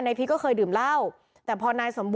นายพิษก็เคยดื่มเหล้า